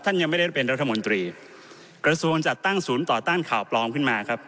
ยังไม่ได้เป็นรัฐมนตรีกระทรวงจัดตั้งศูนย์ต่อต้านข่าวปลอมขึ้นมาครับ